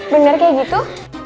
bener kayak gitu